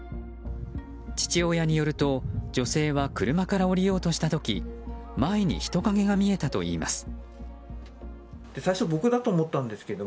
父親によると女性は車から降りようとした時前に人影が見えたといいます。